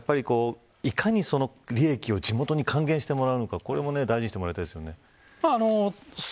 風間さん、いかに利益を地元に還元してもらうのかこれも大事にしてもらいたいですね。